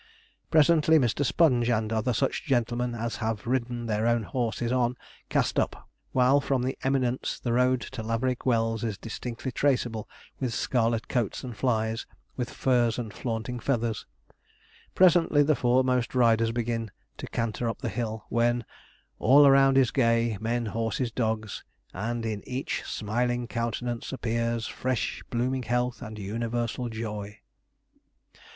Presently Mr. Sponge, and such other gentlemen as have ridden their own horses on, cast up, while from the eminence the road to Laverick Wells is distinctly traceable with scarlet coats and flys, with furs and flaunting feathers. Presently the foremost riders begin to canter up the hill, when All around is gay, men, horses, dogs, And in each smiling countenance appears Fresh blooming health and universal joy.